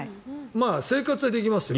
生活はできますよ